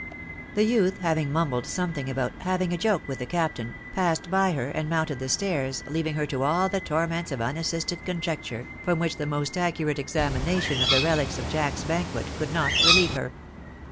The youth having mumbled something about " having a joke with the captain," passed by her and mounted the stairs, leaving her to all the torments of unassisted conjecture, from which the most acciu ate examination of the relics of Jack's banquet could not relieve her.